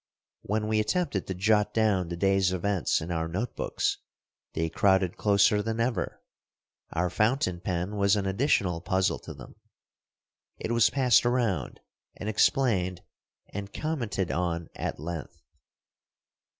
When we attempted to jot down the day's events in our note books they crowded closer than ever. Our fountain pen was an additional puzzle to them. It was passed around, and explained and commented on at length.